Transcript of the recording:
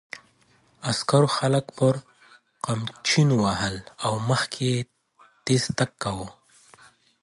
عسکرو خلک پر قمچینو وهل او مخکې یې تېز تګ کاوه.